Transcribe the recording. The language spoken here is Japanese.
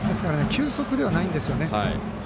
球速ではないんですよね。